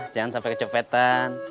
jangan sampai kecepetan